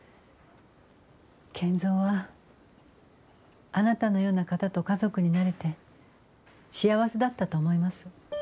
賢三はあなたのような方と家族になれて幸せだったと思います。